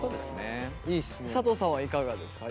佐藤さんはいかがですか？